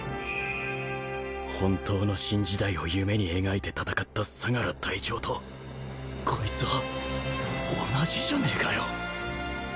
本当の新時代を夢に描いて闘った相楽隊長とこいつは同じじゃねえかよ